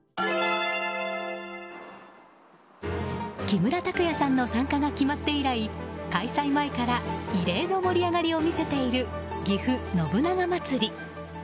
木村拓哉さんの参加が決まって以来開催前から異例の盛り上がりを見せているぎふ信長まつり。